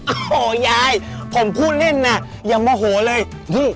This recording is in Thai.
โอ้โหยายผมพูดเล่นน่ะอย่าโมโหเลย